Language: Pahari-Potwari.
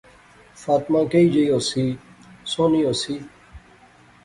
فاطمہ کئی جئی ہوسی؟ سوہنی ہوسی